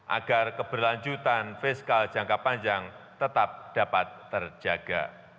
agar keberlanjutan fiskal jangka panjang tetap dapat terjaga